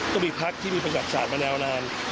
ต้องมีพรรคที่มีประกัดศาสตร์มาแล้วนาน